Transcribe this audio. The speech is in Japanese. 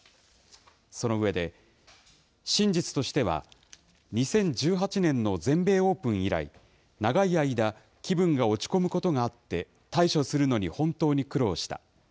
その上で、真実としては、２０１８年の全米オープン以来、長い間、気分が落ち込むことがあって、対処するのに本当に苦労した。